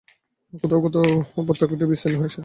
কোথাও কোথাও উপত্যকাটি বিস্তীর্ণ হয়ে সাত মাইল দীর্ঘ হয়েছে।